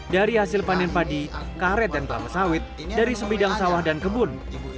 dari hasil panen padi karet dan kelapa sawit dari sebidang sawah dan kebun